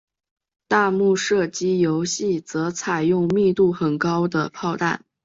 弹幕射击游戏则采用密度很高的炮弹。